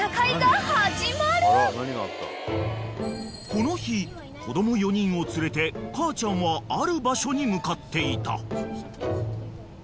［この日子供４人を連れて母ちゃんはある場所に向かっていた］